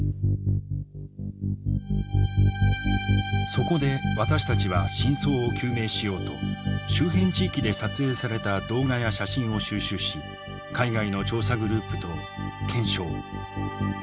そこで私たちは真相を究明しようと周辺地域で撮影された動画や写真を収集し海外の調査グループと検証。